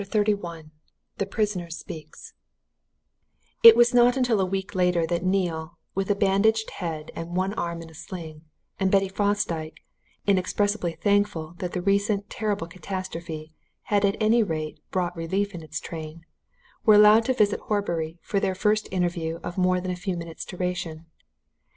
CHAPTER XXXI THE PRISONER SPEAKS It was not until a week later that Neale, with a bandaged head and one arm in a sling, and Betty Fosdyke, inexpressibly thankful that the recent terrible catastrophe had at any rate brought relief in its train, were allowed to visit Horbury for their first interview of more than a few minutes' duration.